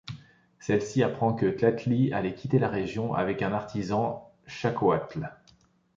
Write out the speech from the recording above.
Celle-ci apprend que Tlatli allait quitter la région avec un artisan, Chacoatl.